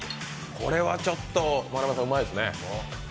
これはちょっと丸山さん、うまいですね。